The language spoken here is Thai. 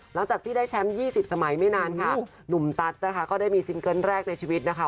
หลังจากที่ได้แชมป์๒๐สมัยไม่นานค่ะหนุ่มตัสนะคะก็ได้มีซิงเกิ้ลแรกในชีวิตนะคะ